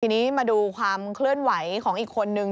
ทีนี้มาดูความเคลื่อนไหวของอีกคนนึง